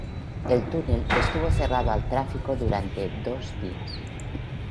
El túnel estuvo cerrado al tráfico durante dos días.